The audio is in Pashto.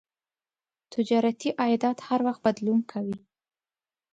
تجارتي عایدات هر وخت بدلون کوي.